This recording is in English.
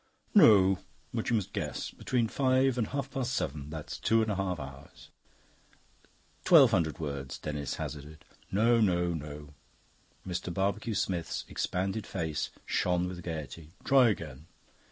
"No, but you must guess. Between five and half past seven that's two and a half hours." "Twelve hundred words," Denis hazarded. "No, no, no." Mr. Barbecue Smith's expanded face shone with gaiety. "Try again."